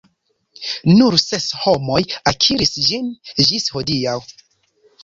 Nur ses homoj akiris ĝin ĝis hodiaŭ.